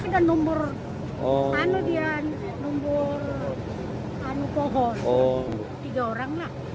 dia nomor oh dia nomor oh tiga orang lah